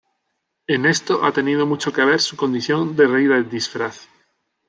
En esto ha tenido mucho que ver su condición de rey del disfraz.